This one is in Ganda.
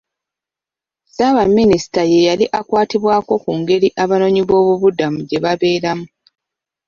Ssaabaminisita ye yali akwatibwako ku ngeri abanoonyiboobubudamu gye babeeramu.